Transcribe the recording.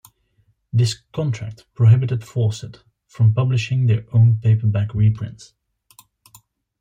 This contract prohibited Fawcett from publishing their own paperback reprints.